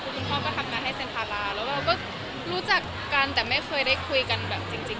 คุณพ่อก็ทำงานให้เซ็นทาราแล้วเราก็รู้จักกันแต่ไม่เคยได้คุยกันแบบจริง